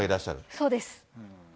そうです。